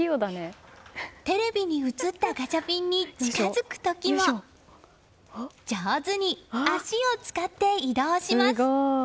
テレビに映ったガチャピンに近づく時も上手に足を使って移動します。